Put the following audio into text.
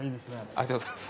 ありがとうございます。